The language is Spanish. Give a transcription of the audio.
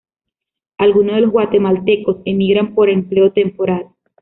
Algunos de los guatemaltecos emigran por empleo temporal.